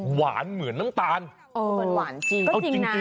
หวานเหมือนน้ำตาลเออจริงนะเออจริง